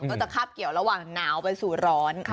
ก็จะคาบเกี่ยวระหว่างหนาวไปสู่ร้อน